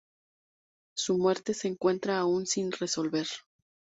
Su muerte se encuentra aun sin resolver.